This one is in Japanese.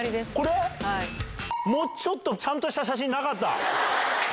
もうちょっとちゃんとした写真なかった？